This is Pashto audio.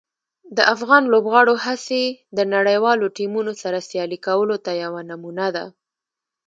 د افغان لوبغاړو هڅې د نړیوالو ټیمونو سره سیالي کولو ته یوه نمونه ده.